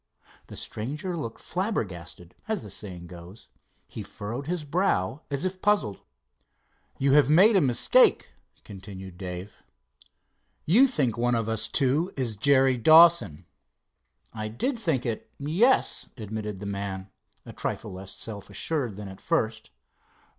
The stranger looked flabbergasted, as the saying goes. He furrowed his brow as if puzzled. "You have made a mistake," continued Dave. "You think one of us two is Jerry Dawson." "I did think it, yes," admitted the man, a trifle less self assured than at first.